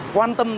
quan tâm đến